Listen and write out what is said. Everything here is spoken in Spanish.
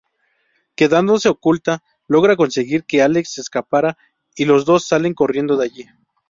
Quedándose oculta, logra conseguir que Alex escapara, y los dos salen corriendo de allí.